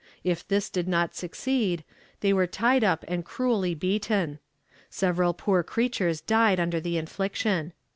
If this did not succeed, they were tied up and cruelly beaten. Several poor creatures died under the infliction.